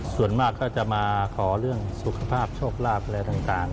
ส่วนมากก็จะมาขอเรื่องสุขภาพโชคลาภอะไรต่าง